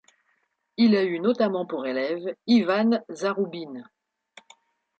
Il a eu notamment pour élève Ivan Zaroubine.